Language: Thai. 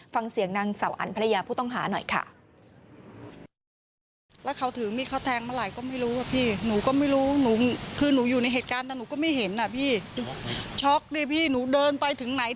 ฟังเสียงนางเสาอันภรรยาผู้ต้องหาหน่อยค่ะ